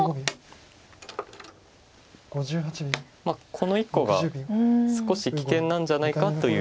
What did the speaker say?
この１個が少し危険なんじゃないかという。